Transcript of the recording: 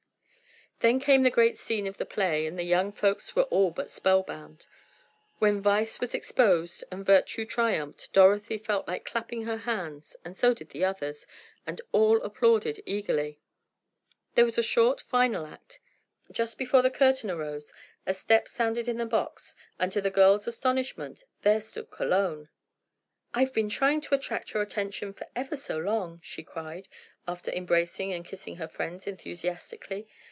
Then came the great scene of the play, and the young folks were all but spellbound. When Vice was exposed and Virtue triumphed Dorothy felt like clapping her hands, and so did the others, and all applauded eagerly. There was a short, final act. Just before the curtain arose a step sounded in the box and to the girls' astonishment there stood Cologne. "I've been trying to attract your attention for ever so long," she cried, after embracing and kissing her friends enthusiastically.